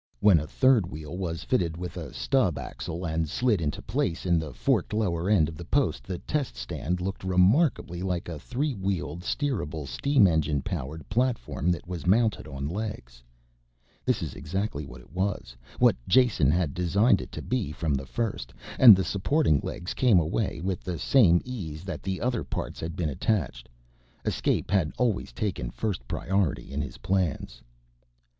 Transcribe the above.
When a third wheel was fitted with a stub axle and slid into place in the forked lower end of the post the test stand looked remarkably like a three wheeled, steerable, steam engine powered platform that was mounted on legs. This is exactly what it was, what Jason had designed it to be from the first, and the supporting legs came away with the same ease that the other parts had been attached. Escape had always taken first priority in his plans.